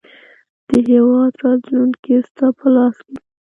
د هیواد راتلونکی ستا په لاس کې دی.